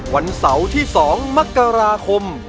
วันเสาร์ที่๒มกราคม